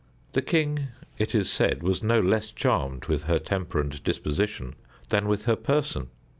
The king, it is said, was no less charmed with her temper and disposition than with her person.